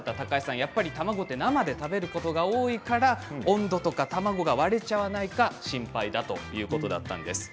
やっぱり卵は生で食べることが多いから温度や卵が割れちゃわないか心配だということだったんです。